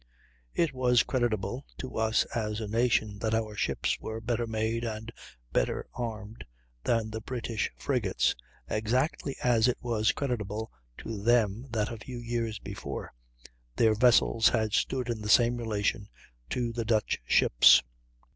It was creditable to us as a nation that our ships were better made and better armed than the British frigates, exactly as it was creditable to them that a few years before their vessels had stood in the same relation to the Dutch ships.